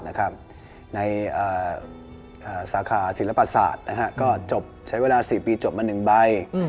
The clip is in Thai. นะครับในอ่าอ่าสาขาศิลปราชาชนะฮะก็จบใช้เวลาสี่ปีจบมาหนึ่งใบ